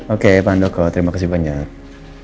oke pak andoko terima kasih banyak